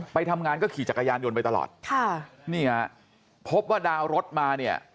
ไปทำงานก็ขี่จักรยานยนต์ไปตลอดค่ะนี่ฮะพบว่าดาวรถมาเนี่ย